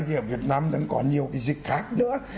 thì ở việt nam đang có nhiều cái dịch khác nữa